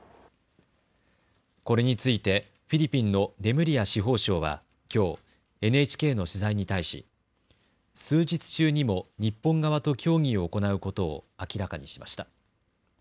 これについてフィリピンのレムリア司法相はきょう、ＮＨＫの取材に対し数日中にも日本側と協議を行うことを明らかにしました。